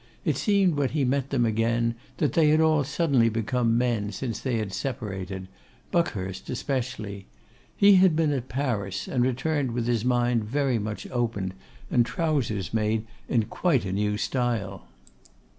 It seemed when he met them again, that they had all suddenly become men since they had separated; Buckhurst especially. He had been at Paris, and returned with his mind very much opened, and trousers made quite in a new style.